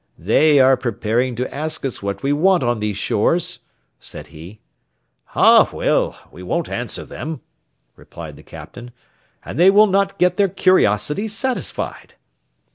"They are preparing to ask us what we want on these shores," said he. "Ah, well! we won't answer them," replied the Captain, "and they will not get their curiosity satisfied."